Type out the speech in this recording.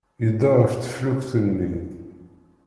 Yedda ɣef teflukt-nni.